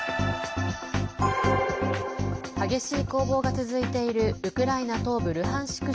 激しい攻防が続いているウクライナ東部ルハンシク